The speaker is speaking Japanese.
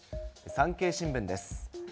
産経新聞です。